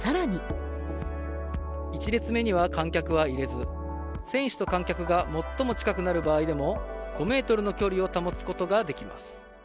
１列目には観客は入れず、選手と観客が最も近くなる場合でも、５メートルの距離を保つことができます。